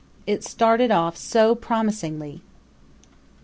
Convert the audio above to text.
It started off so promisingly.